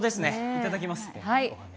いただきます。